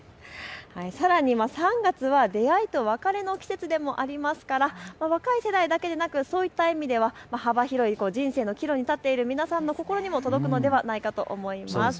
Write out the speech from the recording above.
さらに３月は出会いと別れの季節でもありますから若い世代だけでなく、そういった意味では幅広い人生の岐路に立っている皆さんの心にも届くのではないかと思います。